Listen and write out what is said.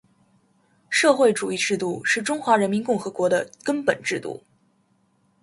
社会主义制度是中华人民共和国的根本制度